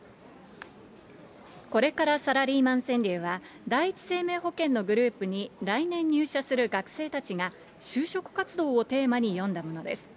これからサラリーマン川柳は、第一生命保険のグループに来年入社する学生たちが、就職活動をテーマに詠んだものです。